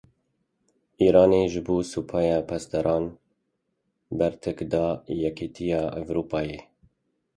Îranê ji bo Supaya Pasdaran bertek da Yekîtiya Ewropayêyê.